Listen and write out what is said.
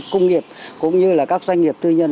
công nghiệp cũng như là các doanh nghiệp tư nhân